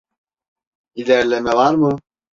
İlerleme var mı?